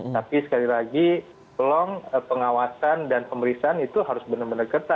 tapi sekali lagi tolong pengawasan dan pemeriksaan itu harus benar benar ketat